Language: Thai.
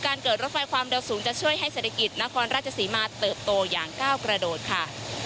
เกิดรถไฟความเร็วสูงจะช่วยให้เศรษฐกิจนครราชศรีมาเติบโตอย่างก้าวกระโดดค่ะ